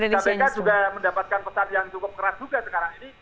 terima kasih juga mudah mudahan kpk mendapatkan pesan yang cukup keras juga sekarang ini